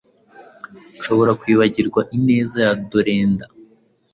nshobora kwibagirwa ineza ya Dorenda